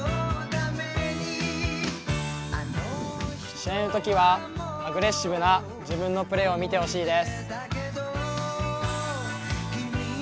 試合のときはアグレッシブな自分のプレーを見てほしいです。